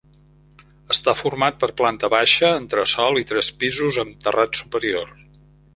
Està format per planta baixa, entresòl i tres pisos, amb terrat superior.